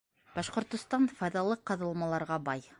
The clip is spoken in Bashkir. — Башҡортостан файҙалы ҡаҙылмаларға бай.